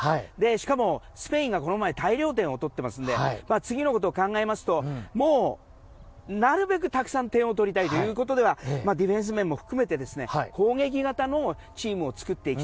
しかもスペインがこの前大量点を取っていますので次のことを考えますとなるべくたくさん点を取りたいということではディフェンス面も含めて攻撃型のチームを作りたい。